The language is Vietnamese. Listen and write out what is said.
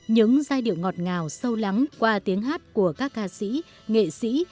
những giai điệu ngọt ngào sâu lắng qua tiếng hát của các ca sĩ nghệ sĩ